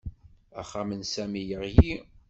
Axxam n Sami yeɣli